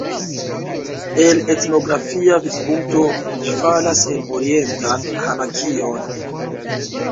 El etnografia vidpunkto ĝi falas en orientan Hanakion.